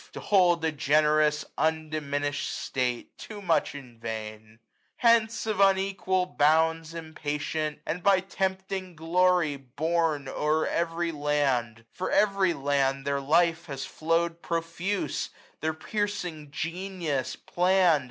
To hold a generous undiminished state ; 900 Too much in vain ! Hence of unequal bounds Impatient, and by tempting glory borne 0*er every land ; for every land their life Has flow'd profuse, their piercing genius plann'd.